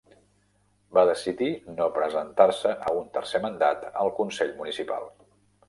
Va decidir no presentar-se a un tercer mandat al consell municipal.